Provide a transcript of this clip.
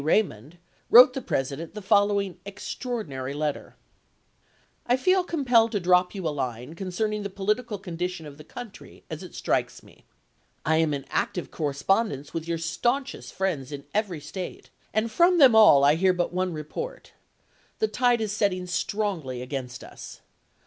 Raymond, wrote the President the following extraordinary letter : I feel compelled to drop you a line concerning the political condition of the country as it strikes me. I am in active correspondence with your stanchest friends in every State and from them all I hear but one report. The tide is setting strongly against us.